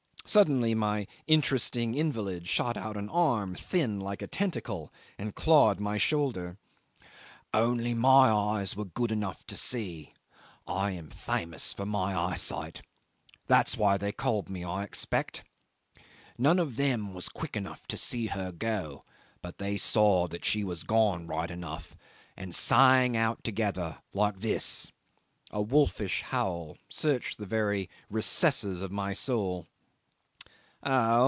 Suddenly my interesting invalid shot out an arm thin like a tentacle and clawed my shoulder. "Only my eyes were good enough to see. I am famous for my eyesight. That's why they called me, I expect. None of them was quick enough to see her go, but they saw that she was gone right enough, and sang out together like this." ... A wolfish howl searched the very recesses of my soul.